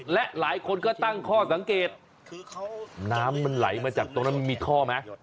และหลายคนก็ตั้งข้อสังเกตคือน้ำมันไหลมาจากตรงนั้นมันมีท่อไหม